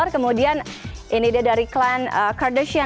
kemudian ini dia dari klan kardashion